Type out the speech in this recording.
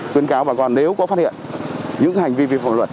tuyên cáo bà con nếu có phát hiện những hành vi vi phòng luật